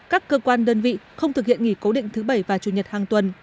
các cơ quan đơn vị không thực hiện nghỉ cố định thứ bảy và chủ nhật hàng tuần